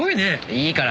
いいから。